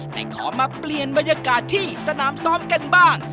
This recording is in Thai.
แต่ขอมาเปลี่ยนบรรยากาศที่สนามซ้อมกันบ้าง